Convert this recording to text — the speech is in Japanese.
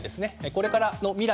これからの未来